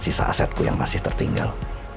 sisa asetku yang masih tertinggal